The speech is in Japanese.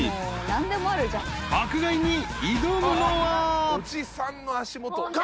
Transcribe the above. ［爆買いに挑むのは］